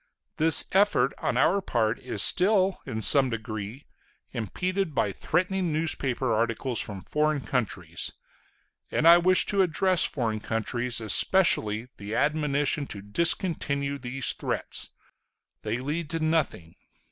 This effort on our part is still, in some degree, impeded by threatening newspaper articles from foreign countries; and I wish to address to foreign countries especially the admonition to discontinue these threats. They lead to nothing.